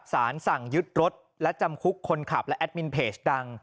สารสั่งยึดรถและจำคุกคนขับและแอดมินเพจดัง